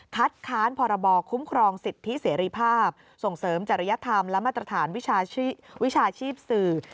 ค้านพรบคุ้มครองสิทธิเสรีภาพส่งเสริมจริยธรรมและมาตรฐานวิชาชีพสื่อ